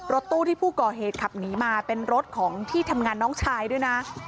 รถตู้ที่ผู้ก่อเหตุขับหนีมาเป็นรถของที่ทำงานน้องชายด้วยนะ